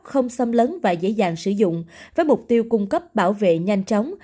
không xâm lấn và dễ dàng sử dụng với mục tiêu cung cấp bảo vệ nhanh chóng